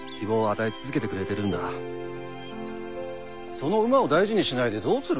その馬を大事にしないでどうする。